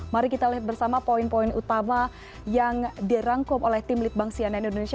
mari kita lihat bersama poin poin utama yang dirangkum oleh tim litbang sian indonesia